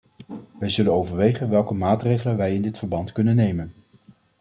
Wij zullen overwegen welke maatregelen wij in dit verband kunnen nemen.